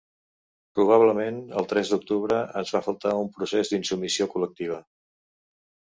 Probablement el tres d’octubre ens va faltar un procés d’insubmissió col·lectiva.